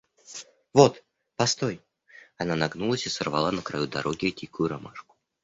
Вот постой.— Она нагнулась и сорвала на краю дороги дикую ромашку.